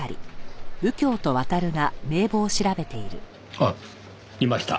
あっいました。